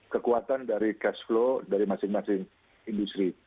kekuatan dari cash flow dari masing masing industri